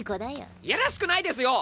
いやらしくないですよ！